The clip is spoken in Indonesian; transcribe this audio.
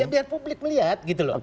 biar publik melihat